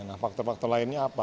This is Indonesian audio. nah faktor faktor lainnya apa